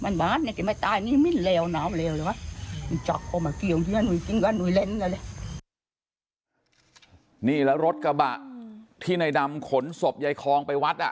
นี่แล้วรถกระบะที่ในดำขนศพยายคองไปวัดอ่ะ